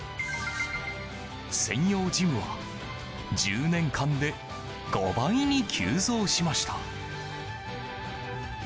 専用ジムは１０年間で５倍に急増しました。